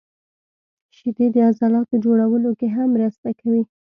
• شیدې د عضلاتو جوړولو کې هم مرسته کوي.